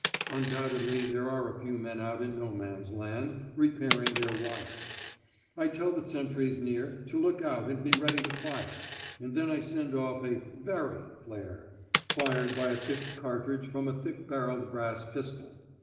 Undoubtedly there are a few men out in No Man's Land, repairing their wire. I tell the sentries near to look out and be ready to fire, and then I send off a 'Very' flare, fired by a thick cartridge from a thick barrelled brass pistol.